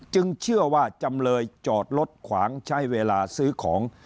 เชื่อว่าจำเลยจอดรถขวางใช้เวลาซื้อของ